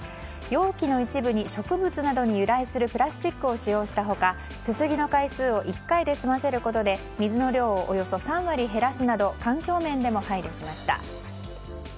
容器の一部に植物などに由来するプラスチックを使用した他すすぎの回数を１回で済ませることで水の量をおよそ３割減らすなど環境面でも配慮しました。